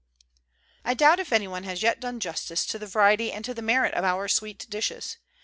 I doubt if any one has yet done justice to the variety and to the merit of our sweet dishes.